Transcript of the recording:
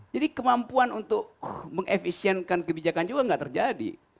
jadi kemampuan untuk mengefisienkan kebijakan juga gak terjadi